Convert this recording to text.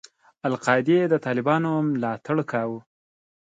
القاعدې د طالبانو ملاتړ کاوه.